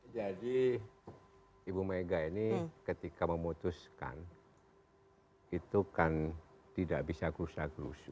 jadi bumega ini ketika memutuskan itu kan tidak bisa krusa krusu